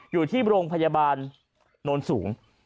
อยู่ที่โรงพยาบาลโน้นสูง